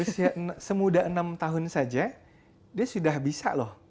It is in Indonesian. semudah enam tahun saja dia sudah bisa loh